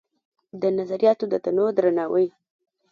د نظریاتو د تنوع درناوی